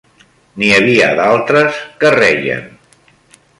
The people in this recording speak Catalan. N'hi havia d'altres que reien